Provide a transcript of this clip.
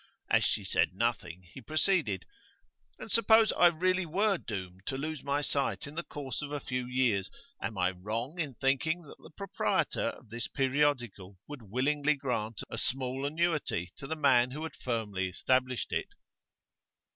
As she said nothing he proceeded: 'And suppose I really were doomed to lose my sight in the course of a few years, am I wrong in thinking that the proprietor of this periodical would willingly grant a small annuity to the man who had firmly established it?